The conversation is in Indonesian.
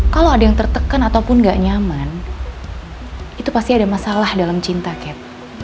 kalau ada yang tertekan ataupun gak nyaman itu pasti ada masalah dalam cinta ket